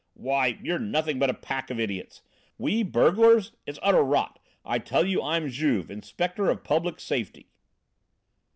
"Why, you're nothing but a pack of idiots! We burglars! It's utter rot. I tell you I'm Juve, Inspector of Public Safety!"